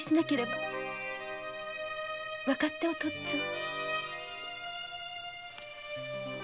わかってお父っつぁん。